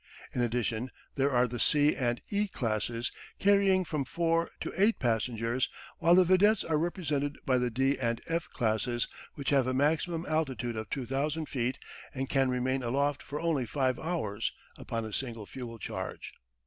In addition there are the C and E classes, carrying from four to eight passengers, while the vedettes are represented by the D and F classes, which have a maximum altitude of 2,000 feet and can remain aloft for only five hours upon a single fuel charge.